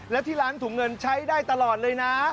แล้วที่ร้านถุงเงินใช้ได้ตลอดเลยนะ